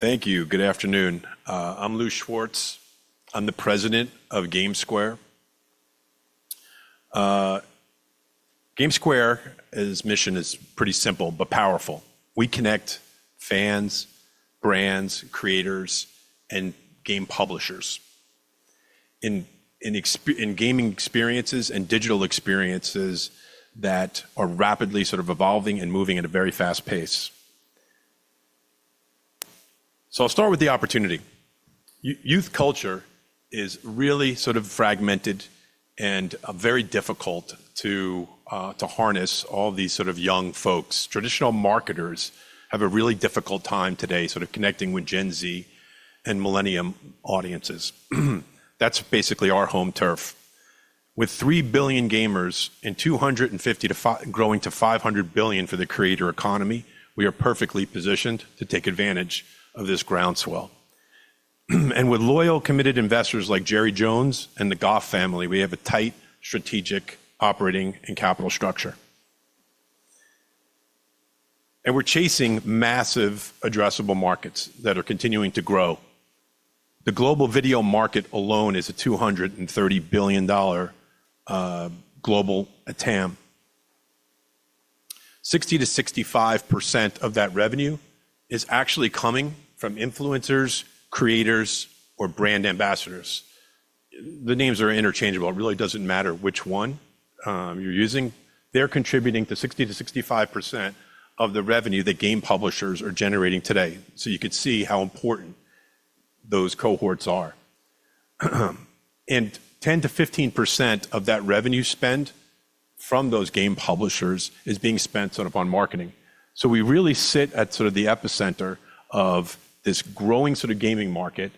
Thank you. Good afternoon. I'm Louis Schwartz. I'm the President of GameSquare. GameSquare's mission is pretty simple but powerful. We connect fans, brands, creators, and game publishers in gaming experiences and digital experiences that are rapidly sort of evolving and moving at a very fast pace. I'll start with the opportunity. Youth culture is really sort of fragmented and very difficult to harness all these sort of young folks. Traditional marketers have a really difficult time today sort of connecting with Gen Z and millennium audiences. That's basically our home turf. With 3 billion gamers and $250 billion to growing to $500 billion for the creator economy, we are perfectly positioned to take advantage of this groundswell. With loyal, committed investors like Jerry Jones and the Goff family, we have a tight strategic operating and capital structure. We're chasing massive addressable markets that are continuing to grow. The global video market alone is a $230 billion global TAM. 60%-65% of that revenue is actually coming from influencers, creators, or brand ambassadors. The names are interchangeable. It really doesn't matter which one you're using. They're contributing to 60%-65% of the revenue that game publishers are generating today. You could see how important those cohorts are. 10%-15% of that revenue spend from those game publishers is being spent sort of on marketing. We really sit at sort of the epicenter of this growing sort of gaming market,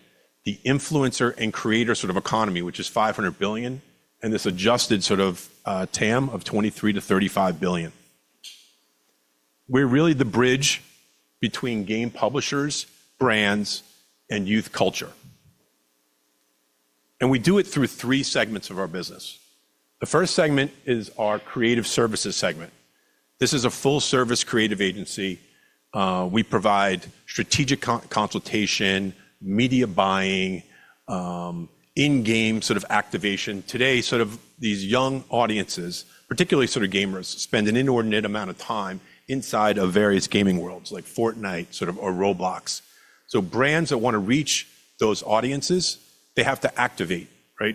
the influencer and creator sort of economy, which is $500 billion, and this adjusted sort of TAM of $23 billion-$35 billion. We're really the bridge between game publishers, brands, and youth culture. We do it through three segments of our business. The first segment is our creative services segment. This is a full-service creative agency. We provide strategic consultation, media buying, in-game sort of activation. Today, sort of these young audiences, particularly sort of gamers, spend an inordinate amount of time inside of various gaming worlds like Fortnite sort of or Roblox. Brands that want to reach those audiences, they have to activate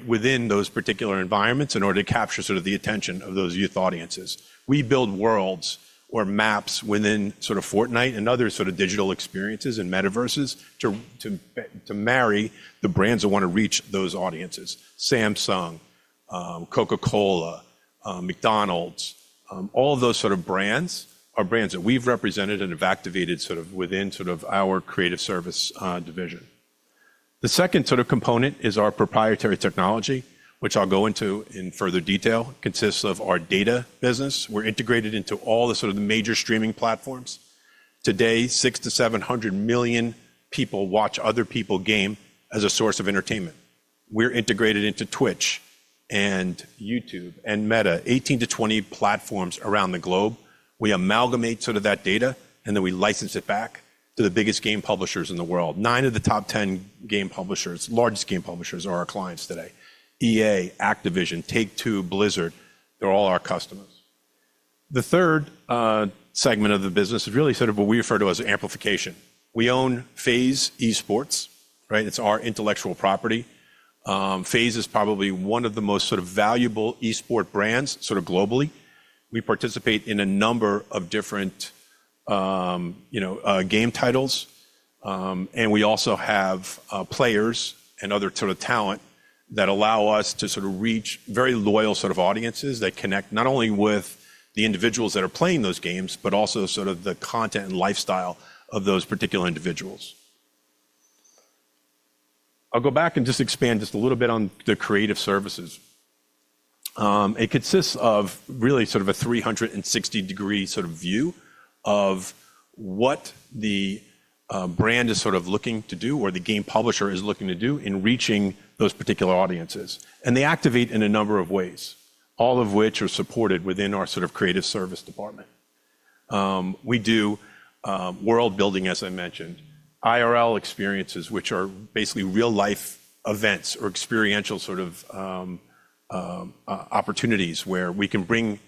within those particular environments in order to capture sort of the attention of those youth audiences. We build worlds or maps within sort of Fortnite and other sort of digital experiences and metaverses to marry the brands that want to reach those audiences: Samsung, Coca-Cola, McDonald's. All of those sort of brands are brands that we've represented and have activated sort of within sort of our creative service division. The second sort of component is our proprietary technology, which I'll go into in further detail. It consists of our data business. We're integrated into all the sort of major streaming platforms. Today, 600-700 million people watch other people's games as a source of entertainment. We're integrated into Twitch and YouTube and Meta, 18-20 platforms around the globe. We amalgamate sort of that data, and then we license it back to the biggest game publishers in the world. Nine of the top 10 game publishers, largest game publishers, are our clients today: EA, Activision, Take-Two, Blizzard. They're all our customers. The third segment of the business is really sort of what we refer to as amplification. We own FaZe Esports. It's our intellectual property. FaZe is probably one of the most sort of valuable esports brands sort of globally. We participate in a number of different game titles. We also have players and other sort of talent that allow us to sort of reach very loyal sort of audiences that connect not only with the individuals that are playing those games, but also sort of the content and lifestyle of those particular individuals. I'll go back and just expand just a little bit on the creative services. It consists of really sort of a 360-degree sort of view of what the brand is sort of looking to do or the game publisher is looking to do in reaching those particular audiences. They activate in a number of ways, all of which are supported within our sort of creative service department. We do world building, as I mentioned, IRL experiences, which are basically real-life events or experiential sort of opportunities where we can bring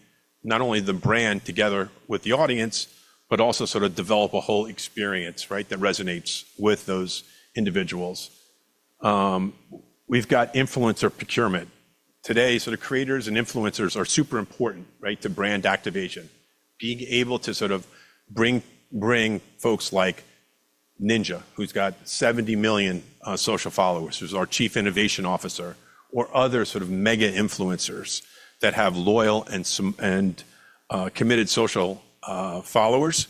not only the brand together with the audience, but also sort of develop a whole experience that resonates with those individuals. We've got influencer procurement. Today, sort of creators and influencers are super important to brand activation. Being able to sort of bring folks like Ninja, who's got 70 million social followers, who's our Chief Innovation Officer, or other sort of mega influencers that have loyal and committed social followers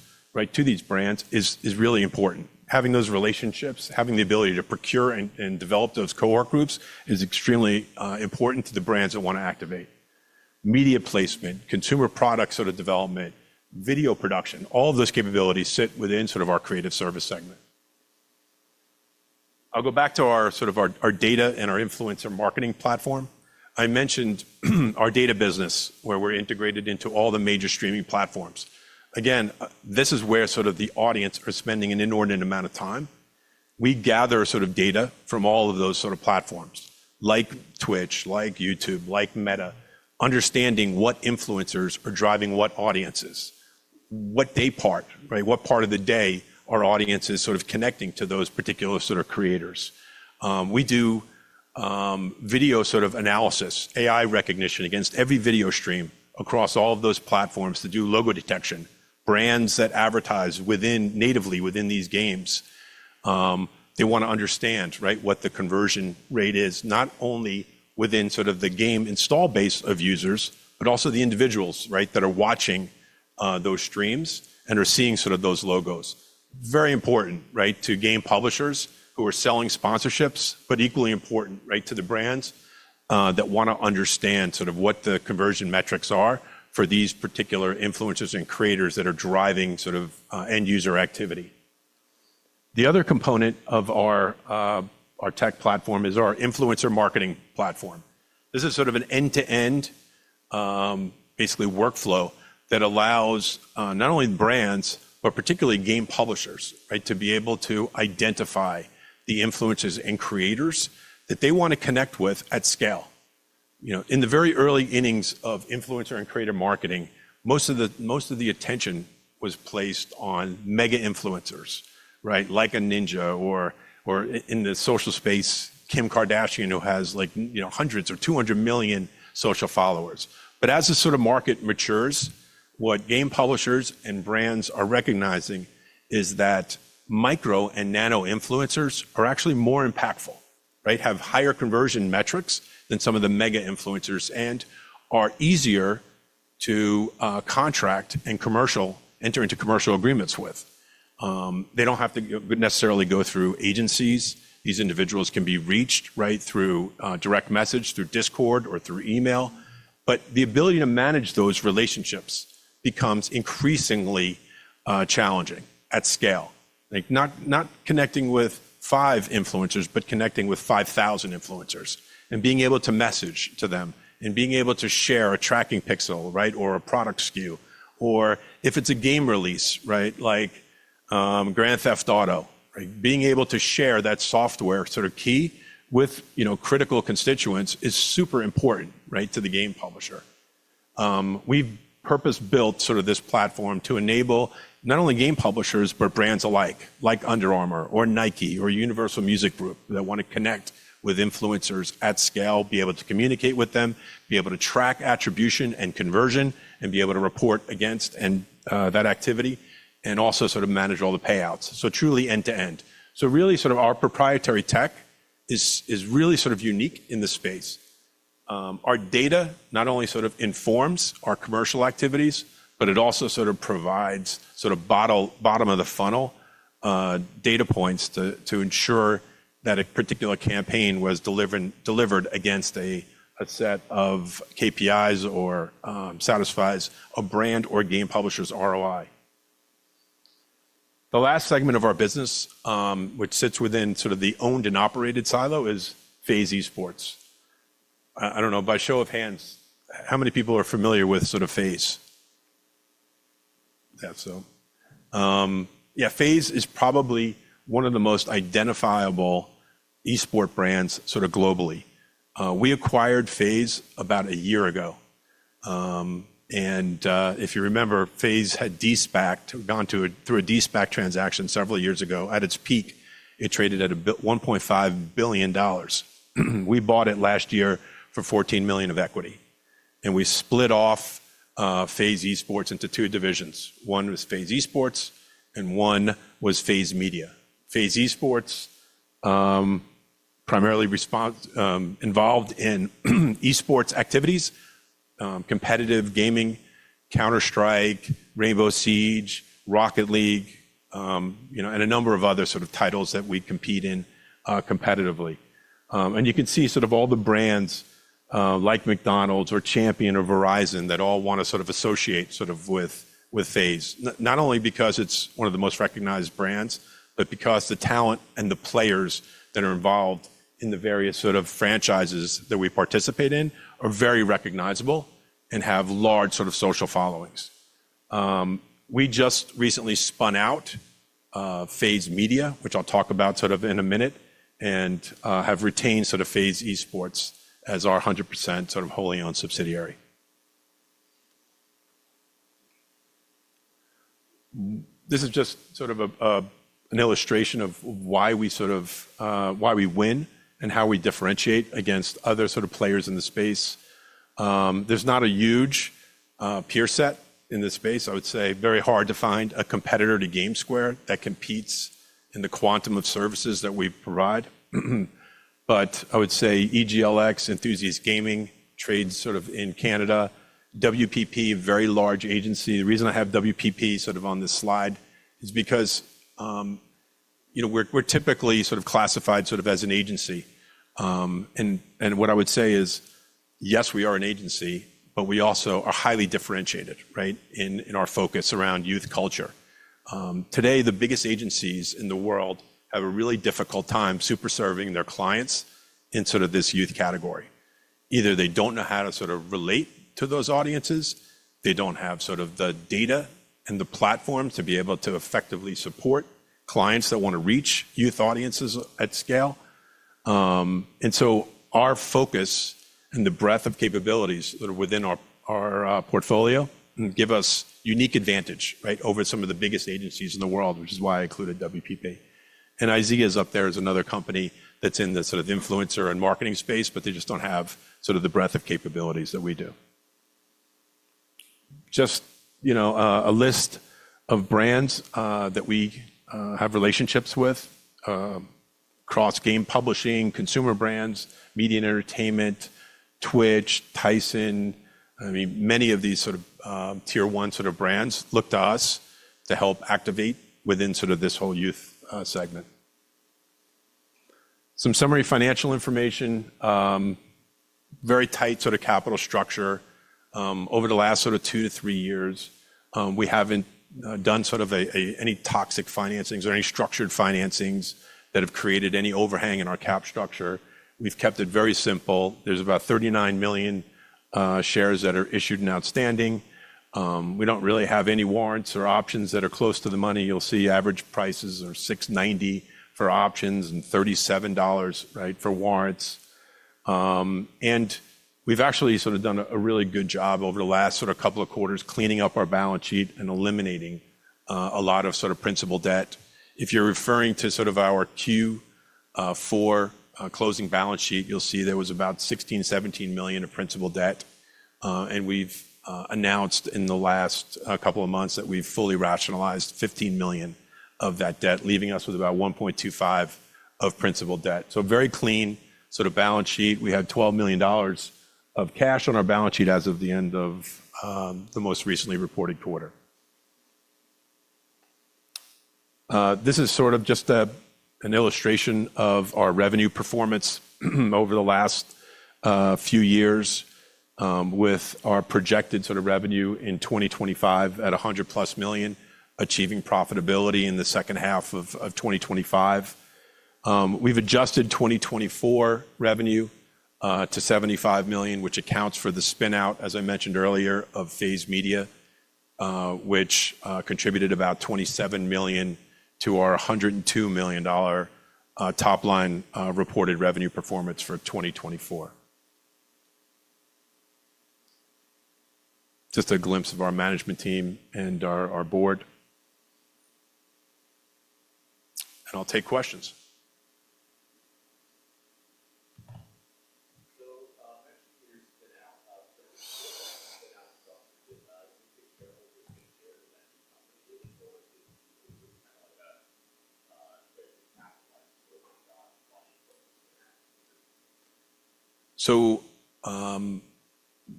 to these brands is really important. Having those relationships, having the ability to procure and develop those cohort groups is extremely important to the brands that want to activate. Media placement, consumer product sort of development, video production, all of those capabilities sit within sort of our creative service segment. I'll go back to our sort of our data and our influencer marketing platform. I mentioned our data business, where we're integrated into all the major streaming platforms. Again, this is where sort of the audience are spending an inordinate amount of time. We gather sort of data from all of those sort of platforms, like Twitch, like YouTube, like Meta, understanding what influencers are driving what audiences, what day part, what part of the day our audience is sort of connecting to those particular sort of creators. We do video sort of analysis, AI recognition against every video stream across all of those platforms to do logo detection. Brands that advertise natively within these games, they want to understand what the conversion rate is, not only within sort of the game install base of users, but also the individuals that are watching those streams and are seeing sort of those logos. Very important to game publishers who are selling sponsorships, but equally important to the brands that want to understand sort of what the conversion metrics are for these particular influencers and creators that are driving sort of end user activity. The other component of our tech platform is our influencer marketing platform. This is sort of an end-to-end, basically, workflow that allows not only brands, but particularly game publishers to be able to identify the influencers and creators that they want to connect with at scale. In the very early innings of influencer and creator marketing, most of the attention was placed on mega influencers, like a Ninja or in the social space, Kim Kardashian, who has hundreds or 200 million social followers. As the sort of market matures, what game publishers and brands are recognizing is that micro and nano influencers are actually more impactful, have higher conversion metrics than some of the mega influencers, and are easier to contract and enter into commercial agreements with. They do not have to necessarily go through agencies. These individuals can be reached through direct message, through Discord, or through email. The ability to manage those relationships becomes increasingly challenging at scale. Not connecting with five influencers, but connecting with 5,000 influencers and being able to message to them and being able to share a tracking pixel or a product SKU. Or if it's a game release like Grand Theft Auto, being able to share that software sort of key with critical constituents is super important to the game publisher. We've purpose-built sort of this platform to enable not only game publishers, but brands alike, like Under Armour or Nike or Universal Music Group that want to connect with influencers at scale, be able to communicate with them, be able to track attribution and conversion, and be able to report against that activity, and also sort of manage all the payouts. Truly end-to-end. Really sort of our proprietary tech is really sort of unique in this space. Our data not only sort of informs our commercial activities, but it also sort of provides sort of bottom of the funnel data points to ensure that a particular campaign was delivered against a set of KPIs or satisfies a brand or game publisher's ROI. The last segment of our business, which sits within sort of the owned and operated silo, is FaZe Esports. I don't know by show of hands how many people are familiar with sort of FaZe. Yeah, FaZe is probably one of the most identifiable esports brands sort of globally. We acquired FaZe about a year ago. If you remember, FaZe had gone through a D-SPAC transaction several years ago. At its peak, it traded at $1.5 billion. We bought it last year for $14 million of equity. We split off FaZe Esports into two divisions. One was FaZe Esports, and one was FaZe Media. FaZe Esports primarily involved in esports activities, competitive gaming, Counter-Strike, Rainbow Six Siege, Rocket League, and a number of other sort of titles that we compete in competitively. You can see sort of all the brands like McDonald's or Champion or Verizon that all want to sort of associate sort of with FaZe, not only because it's one of the most recognized brands, but because the talent and the players that are involved in the various sort of franchises that we participate in are very recognizable and have large sort of social followings. We just recently spun out FaZe Media, which I'll talk about sort of in a minute, and have retained sort of FaZe Esports as our 100% sort of wholly-owned subsidiary. This is just sort of an illustration of why we sort of why we win and how we differentiate against other sort of players in the space. There's not a huge peer set in this space. I would say very hard to find a competitor to GameSquare that competes in the quantum of services that we provide. I would say EGLX, Enthusiast Gaming, trades sort of in Canada. WPP, very large agency. The reason I have WPP sort of on this slide is because we're typically sort of classified sort of as an agency. What I would say is, yes, we are an agency, but we also are highly differentiated in our focus around youth culture. Today, the biggest agencies in the world have a really difficult time superserving their clients in sort of this youth category. Either they don't know how to sort of relate to those audiences, they don't have sort of the data and the platform to be able to effectively support clients that want to reach youth audiences at scale. Our focus and the breadth of capabilities that are within our portfolio give us unique advantage over some of the biggest agencies in the world, which is why I included WPP. IZEA is up there as another company that's in the sort of influencer and marketing space, but they just don't have sort of the breadth of capabilities that we do. Just a list of brands that we have relationships with: Cross Game Publishing, consumer brands, media and entertainment, Twitch, Tyson. I mean, many of these sort of tier-one sort of brands look to us to help activate within sort of this whole youth segment. Some summary financial information: very tight sort of capital structure. Over the last sort of two to three years, we haven't done sort of any toxic financings or any structured financings that have created any overhang in our cap structure. We've kept it very simple. There's about 39 million shares that are issued and outstanding. We don't really have any warrants or options that are close to the money. You'll see average prices are $6.90 for options and $37 for warrants. We've actually sort of done a really good job over the last sort of couple of quarters cleaning up our balance sheet and eliminating a lot of sort of principal debt. If you're referring to sort of our Q4 closing balance sheet, you'll see there was about 16-17 million of principal debt. We've announced in the last couple of months that we've fully rationalized $15 million of that debt, leaving us with about $1.25 million of principal debt. Very clean sort of balance sheet. We have $12 million of cash on our balance sheet as of the end of the most recently reported quarter. This is sort of just an illustration of our revenue performance over the last few years, with our projected sort of revenue in 2025 at $100-plus million, achieving profitability in the second half of 2025. We've adjusted 2024 revenue to $75 million, which accounts for the spinout, as I mentioned earlier, of FaZe Media, which contributed about $27 million to our $102 million top-line reported revenue performance for 2024. Just a glimpse of our management team and our board. I'll take questions.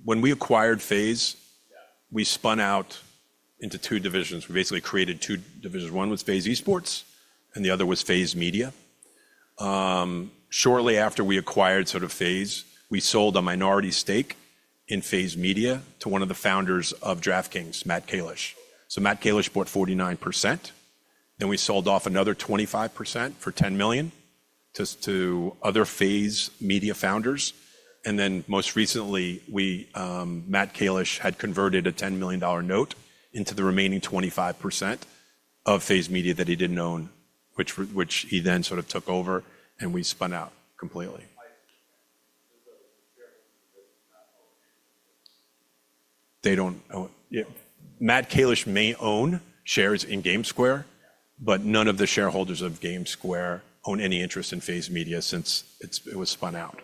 When we acquired FaZe, we spun out into two divisions. We basically created two divisions. One was FaZe Esports, and the other was FaZe Media. Shortly after we acquired sort of FaZe, we sold a minority stake in FaZe Media to one of the founders of DraftKings, Matt Kalish. Matt Kalish bought 49%. We sold off another 25% for $10 million to other FaZe Media founders. Most recently, Matt Kalish had converted a $10 million note into the remaining 25% of FaZe Media that he did not own, which he then sort of took over, and we spun out completely. They do not own. Matt Kalish may own shares in GameSquare, but none of the shareholders of GameSquare own any interest in FaZe Media since it was spun out.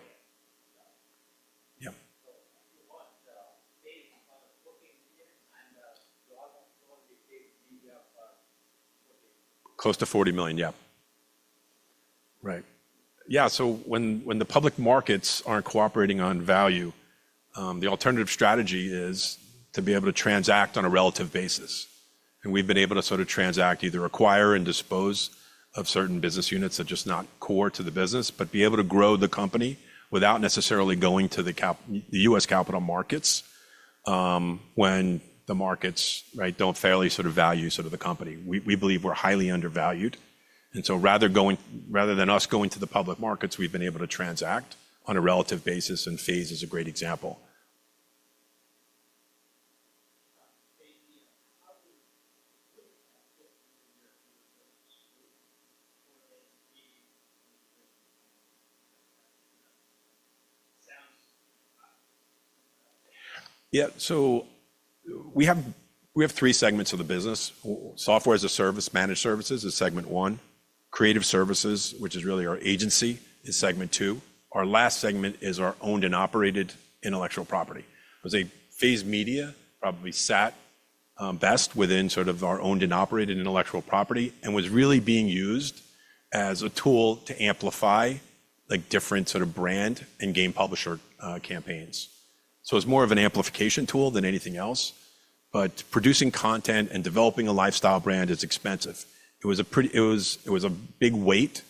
Close to $40 million, yeah. Right. Yeah. When the public markets aren't cooperating on value, the alternative strategy is to be able to transact on a relative basis. We've been able to sort of transact, either acquire and dispose of certain business units that are just not core to the business, but be able to grow the company without necessarily going to the US capital markets when the markets don't fairly sort of value sort of the company. We believe we're highly undervalued. Rather than us going to the public markets, we've been able to transact on a relative basis, and FaZe is a great example. Yeah. We have three segments of the business. Software as a service, managed services is segment one. Creative services, which is really our agency, is segment two. Our last segment is our owned and operated intellectual property. I would say FaZe Media probably sat best within sort of our owned and operated intellectual property and was really being used as a tool to amplify different sort of brand and game publisher campaigns. It is more of an amplification tool than anything else. Producing content and developing a lifestyle brand is expensive. It was a big weight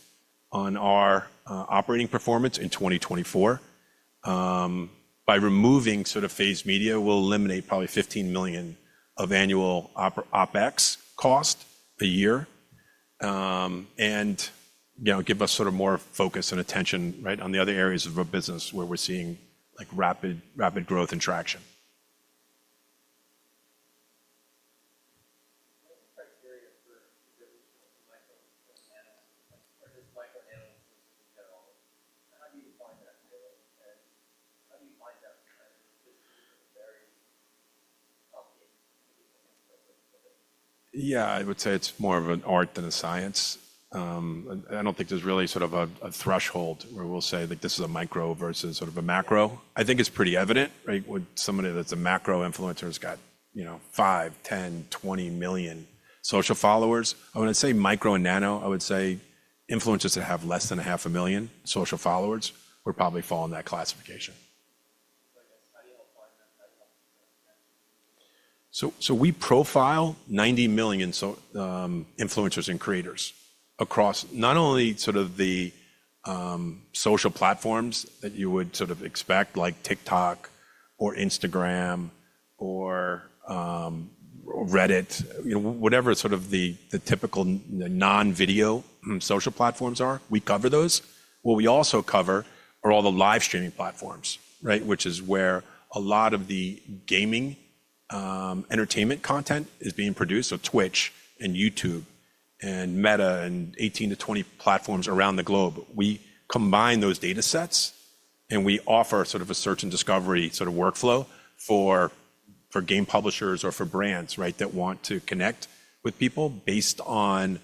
on our operating performance in 2024. By removing sort of FaZe Media, we will eliminate probably $15 million of annual OPEX cost a year and give us sort of more focus and attention on the other areas of our business where we are seeing rapid growth and traction. Yeah, I would say it is more of an art than a science. I do not think there is really sort of a threshold where we will say this is a micro versus sort of a macro. I think it is pretty evident. Somebody that's a macro influencer has got 5, 10, 20 million social followers. When I say micro and nano, I would say influencers that have less than a half a million social followers would probably fall in that classification. We profile 90 million influencers and creators across not only sort of the social platforms that you would sort of expect, like TikTok or Instagram or Reddit, whatever sort of the typical non-video social platforms are, we cover those. What we also cover are all the live streaming platforms, which is where a lot of the gaming entertainment content is being produced: Twitch and YouTube and Meta and 18-20 platforms around the globe. We combine those data sets, and we offer sort of a search and discovery sort of workflow for game publishers or for brands that want to connect with people based on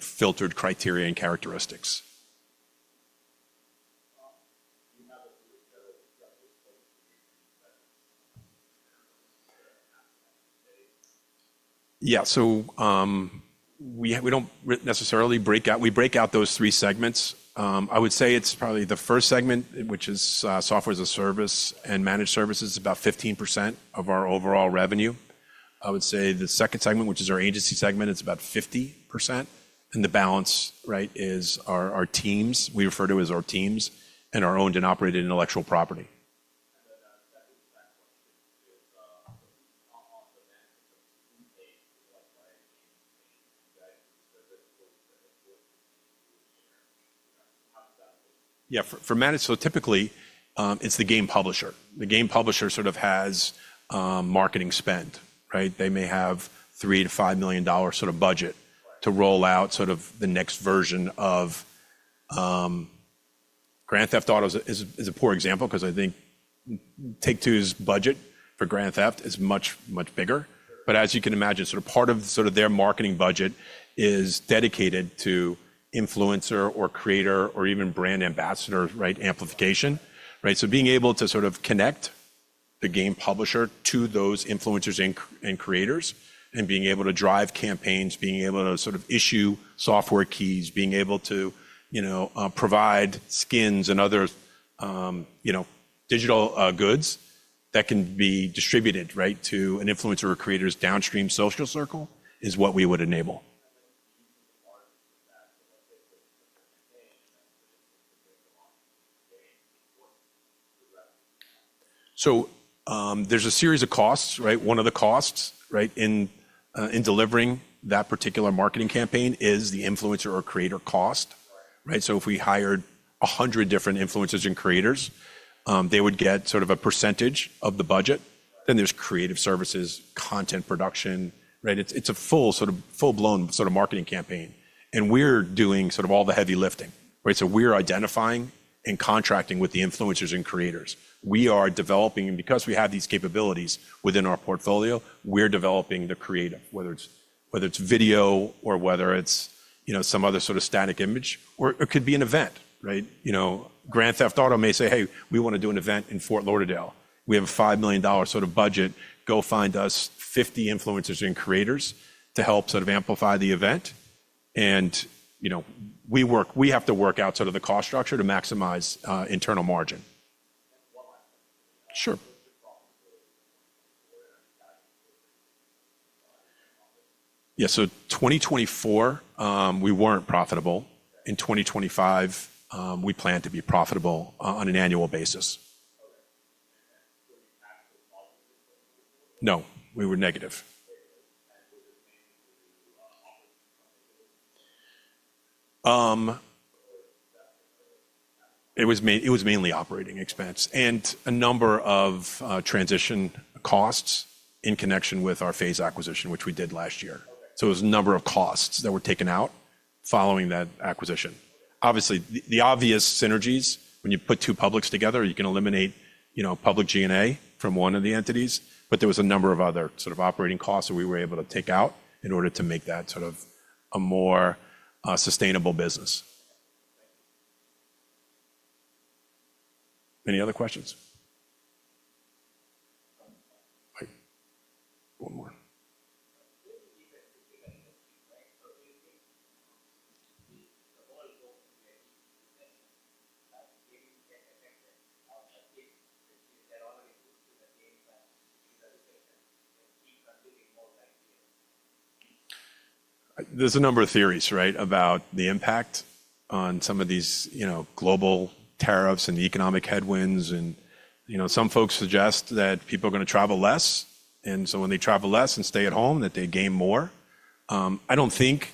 filtered criteria and characteristics. Yeah. We do not necessarily break out. We break out those three segments. I would say it is probably the first segment, which is software as a service and managed services, about 15% of our overall revenue. I would say the second segment, which is our agency segment, it is about 50%. The balance is our teams. We refer to it as our teams and our owned and operated intellectual property. Yeah. For managed, typically, it is the game publisher. The game publisher has marketing spend. They may have $3-5 million budget to roll out the next version of Grand Theft Auto, which is a poor example because I think Take-Two's budget for Grand Theft is much, much bigger. As you can imagine, part of their marketing budget is dedicated to influencer or creator or even brand ambassador amplification. Being able to sort of connect the game publisher to those influencers and creators and being able to drive campaigns, being able to sort of issue software keys, being able to provide skins and other digital goods that can be distributed to an influencer or creator's downstream social circle is what we would enable. There is a series of costs. One of the costs in delivering that particular marketing campaign is the influencer or creator cost. If we hired 100 different influencers and creators, they would get sort of a percentage of the budget. There is creative services, content production. It is a full-blown sort of marketing campaign. We are doing sort of all the heavy lifting. We are identifying and contracting with the influencers and creators. We are developing, and because we have these capabilities within our portfolio, we're developing the creative, whether it's video or whether it's some other sort of static image, or it could be an event. Grand Theft Auto may say, "Hey, we want to do an event in Fort Lauderdale. We have a $5 million sort of budget. Go find us 50 influencers and creators to help sort of amplify the event." We have to work out sort of the cost structure to maximize internal margin. Sure. Yeah. 2024, we weren't profitable. In 2025, we plan to be profitable on an annual basis. No. We were negative. It was mainly operating expense and a number of transition costs in connection with our FaZe acquisition, which we did last year. It was a number of costs that were taken out following that acquisition. Obviously, the obvious synergies, when you put two publics together, you can eliminate public G&A from one of the entities. There was a number of other sort of operating costs that we were able to take out in order to make that sort of a more sustainable business. Any other questions? One more. There's a number of theories, right, about the impact on some of these global tariffs and economic headwinds. Some folks suggest that people are going to travel less. When they travel less and stay at home, they gain more. I don't think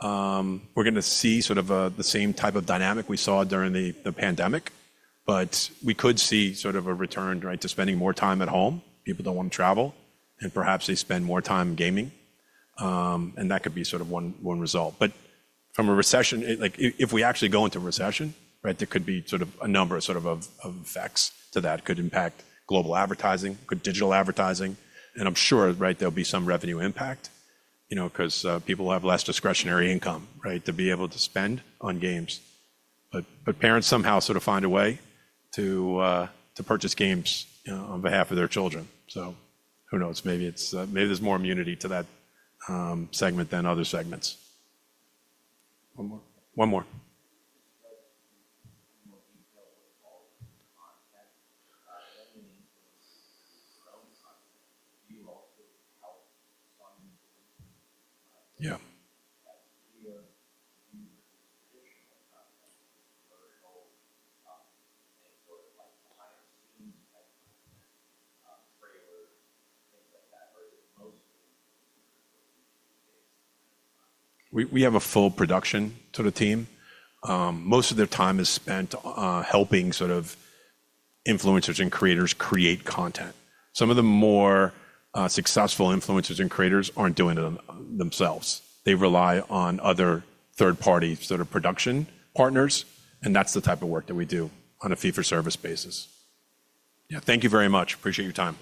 we're going to see sort of the same type of dynamic we saw during the pandemic. We could see sort of a return to spending more time at home. People don't want to travel, and perhaps they spend more time gaming. That could be sort of one result. From a recession, if we actually go into a recession, there could be sort of a number of sort of effects to that. It could impact global advertising, could digital advertising. I'm sure there'll be some revenue impact because people have less discretionary income to be able to spend on games. Parents somehow sort of find a way to purchase games on behalf of their children. Who knows? Maybe there's more immunity to that segment than other segments. One more. One more. We have a full production sort of team. Most of their time is spent helping sort of influencers and creators create content. Some of the more successful influencers and creators aren't doing it themselves. They rely on other third-party sort of production partners. That's the type of work that we do on a fee-for-service basis. Thank you very much. Appreciate your time.